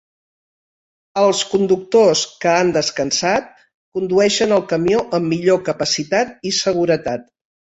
Els conductors que han descansat condueixen el camió amb millor capacitat i seguretat.